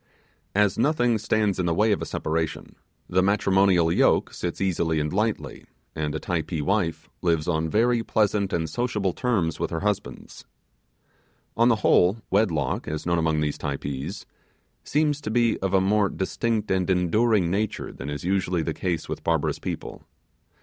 As nothing stands in the way of a separation, the matrimonial yoke sits easily and lightly, and a Typee wife lives on very pleasant and sociable terms with her husband. On the whole, wedlock, as known among these Typees, seems to be of a more distinct and enduring nature than is usually the case with barbarous people.